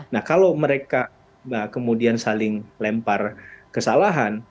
nah kalau mereka kemudian saling lempar kesalahan